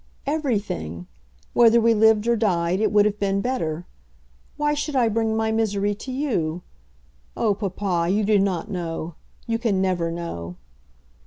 "Everything. Whether we lived or died, it would have been better. Why should I bring my misery to you? Oh, papa, you do not know, you can never know."